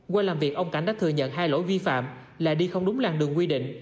qua làm việc ông cảnh đã thừa nhận hai lỗi vi phạm là đi không đúng làng đường quy định